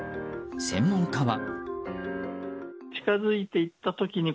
専門家は。